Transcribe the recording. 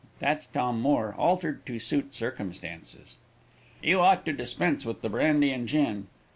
That's Tom Moore, altered to suit circumstances." "You ought to dispense with the brandy and gin."